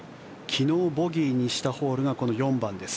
昨日ボギーにしたホールがこの４番です。